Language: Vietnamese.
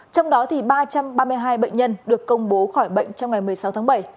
trong đó ba trăm ba mươi hai bệnh nhân được công bố khỏi bệnh trong ngày một mươi sáu tháng bảy